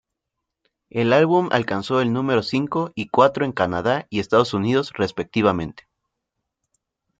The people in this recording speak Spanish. El álbum alcanzó el número cinco y cuatro en Canadá y Estados Unidos, respectivamente.